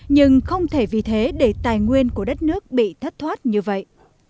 nhưng không thể vì thế để tài nguyên của đất nước bị thất thoát như vậy